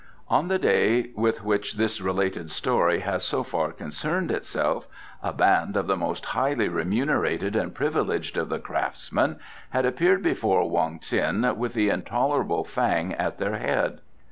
On the day with which this related story has so far concerned itself, a band of the most highly remunerated and privileged of the craftsmen had appeared before Wong Ts'in with the intolerable Fang at their head.